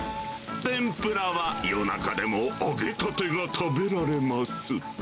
天ぷらは夜中でも揚げたてが食べられます。